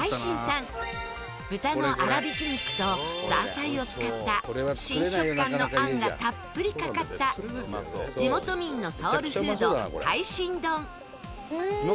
豚のあらびき肉とザーサイを使った新食感の餡がたっぷりかかった地元民のソウルフード大新丼。